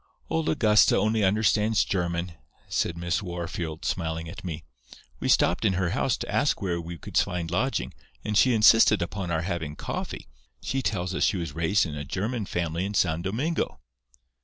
"'Old Augusta only understands German,' said Miss Wahrfield, smiling at me. 'We stopped in her house to ask where we could find lodging, and she insisted upon our having coffee. She tells us she was raised in a German family in San Domingo.